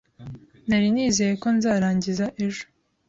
Nari nizeye ko nzarangiza ejo.